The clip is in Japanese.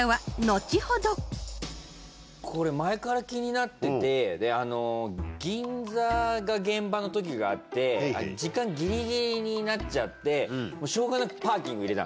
これ前から気になっててであの銀座が現場の時があって時間ギリギリになっちゃってしょうがなくパーキング入れたんですよ。